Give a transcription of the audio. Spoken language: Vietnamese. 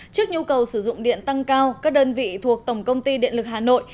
trước nhu cầu sử dụng điện tăng cao các đơn vị thuộc tổng công ty điện lực hà nội